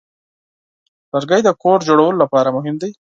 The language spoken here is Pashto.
لرګی د کور جوړولو لپاره مهم دی.